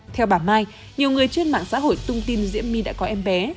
theo bà mai nhiều người trên mạng xã hội tung tin diễm my đã có em bé